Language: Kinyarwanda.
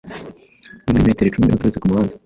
ni muri metero icumi uturutse ku muhanda